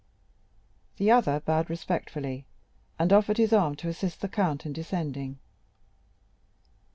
The other bowed respectfully, and offered his arm to assist the count in descending.